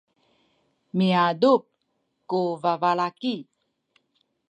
miadup ku babalaki.